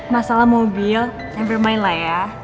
masalah mobil nevermind lah ya